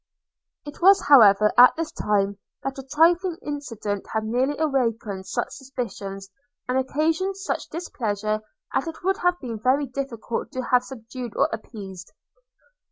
It was however at this time that a trifling incident had nearly awakened such suspicions, and occasioned such displeasure, as it would have been very difficult to have subdued or appeased.